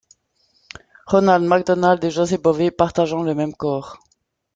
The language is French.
Ronald Mc Donald et José Bové partageant le même corps.